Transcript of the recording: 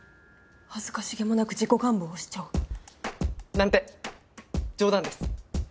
恥ずかしげもなく自己願望を主張。なんて冗談です。